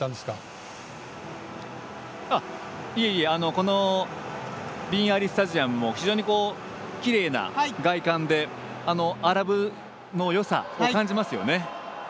このビン・アリスタジアムきれいな外観でアラブのよさを感じますよね。